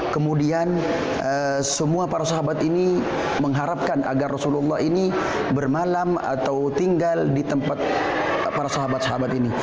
kemudian semua para sahabat ini mengharapkan agar rasulullah ini bermalam atau tinggal di tempat para sahabat sahabat ini